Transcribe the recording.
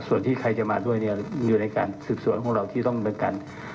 ส่วนที่ใครจะมาด้วยเนี่ยอยู่ในการสืบสวนของเราที่ต้องเป็นการ